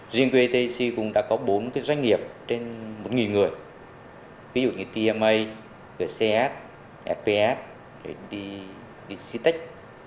duyên quy đi cũng đã có bốn doanh nghiệp trên một người ví dụ như tma vcs fps dc tech